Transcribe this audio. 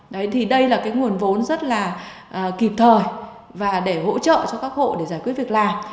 đấy thì đây là cái nguồn vốn rất là kịp thời và để hỗ trợ cho các hộ để giải quyết việc làm